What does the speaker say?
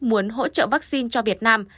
muốn hỗ trợ vaccine cho việt nam